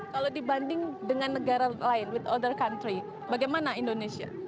kalau dibanding dengan negara lain with other country bagaimana indonesia